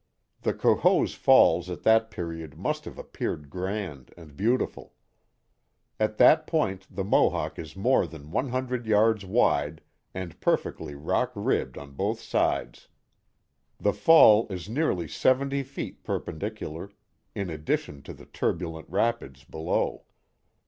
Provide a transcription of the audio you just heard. The Cohoes Falls at that period must have appeared grand and beautiful. At that point the Mohawk is more than one hundred yards wide and perfectly rock ribbed on both sides. The fall is nearly seventy feet perpendicular, in addition to the turbulent rapids below.